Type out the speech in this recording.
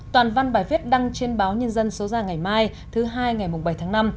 toàn văn bài viết đăng trên báo nhân dân số ra ngày mai thứ hai ngày bảy tháng năm